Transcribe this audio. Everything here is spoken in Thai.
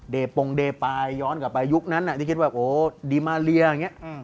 เด่ปงเด่ปลายย้อนกลับไปยุคนั้นน่ะที่คิดว่าโหดิมาเลียอย่างเงี้ย